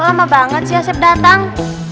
apa banget sih asef datang